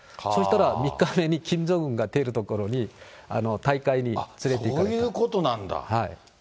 そうしたら３日目にキム・ジョンウンが出る所に、大会に連れていそういうことなんだ。